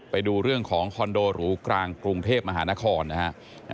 ไปดูเรื่องของคอนโดหรูกลางกรุงเทพมหานครนะครับ